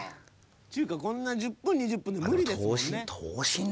ちゅうかこんな１０分２０分で無理ですもんね。